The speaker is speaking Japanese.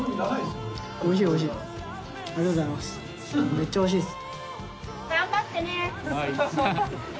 めっちゃおいしいっす。